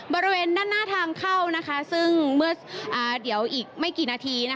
บริเวณด้านหน้าทางเข้าซึ่งเมื่อเดี๋ยวอีกไม่กี่นาที